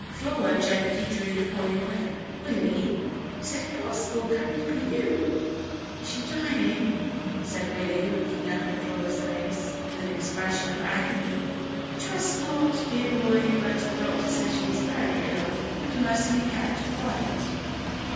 Flora gently drew the boy away. "Willie, is it possible; can it be you?" "Is she dyin'?" said Willie, looking up in Flora's face with an expression of agony. "I trust not, dear boy; but the doctor says she is very ill, and must be kept quiet."